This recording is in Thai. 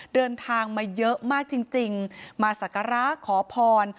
เดินทางมาเยอะมากจริงมาสักการะขอพร